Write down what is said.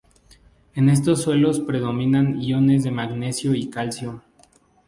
En estos suelos predominan iones de magnesio y calcio.